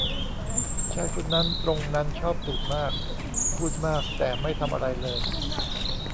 ชายคนนั้นตรงนั้นชอบดื่มมาก พูดมาก แต่ไม่ทำอะไรเลย